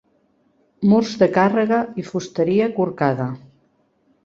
Murs de càrrega i fusteria corcada.